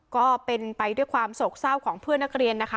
ก็เป็นไปด้วยความโศกเศร้าของเพื่อนนักเรียนนะคะ